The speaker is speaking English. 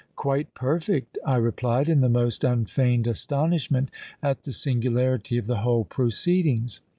—'Quite perfect,' I replied in the most unfeigned astonishment at the singularity of the whole proceedings.